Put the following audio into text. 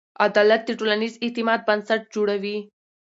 عدالت د ټولنیز اعتماد بنسټ جوړوي.